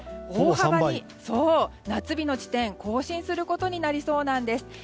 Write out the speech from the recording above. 大幅に夏日の地点を更新することになりそうです。